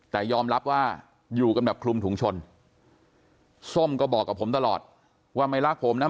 แต่ยอมรับว่าอยู่กันแบบคลุมถุงชนส้มก็บอกกับผมตลอดว่าไม่รักผมนะ